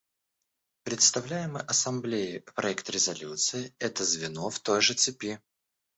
Представляемый Ассамблее проект резолюции — это звено в той же цепи.